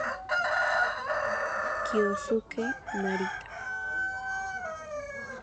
Kyosuke Narita